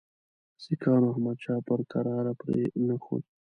سیکهانو احمدشاه پر کراره پرې نه ښود.